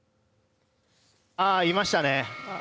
ああ、いましたね